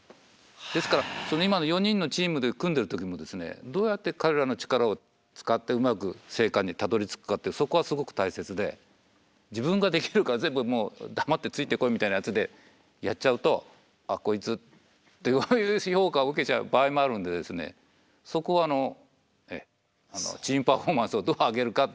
ですからその今の４人のチームで組んでる時もどうやって彼らの力を使ってうまく生還にたどりつくかってそこはすごく大切で自分ができるから全部もう黙ってついてこいみたいやつでやっちゃうと「あっこいつ」ってこういう評価を受けちゃう場合もあるんでそこはチームパフォーマンスをどう上げるかという意味では大切です。